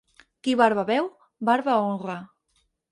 Qui barba veu, barba honra.